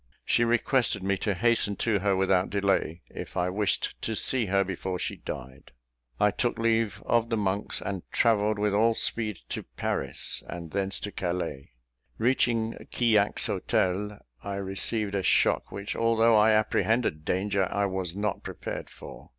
She requested me to hasten to her without delay, if I wished to see her before she died. I took leave of the monks, and travelled with all speed to Paris, and thence to Calais. Reaching Quillac's hotel, I received a shock which, although I apprehended danger, I was not prepared for.